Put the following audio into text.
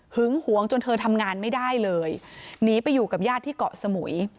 หวงจนเธอทำงานไม่ได้เลยหนีไปอยู่กับญาติที่เกาะสมุย